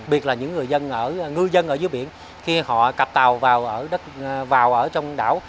biệt là những người dân ở ngư dân ở dưới biển khi họ cặp tàu vào ở trong đảo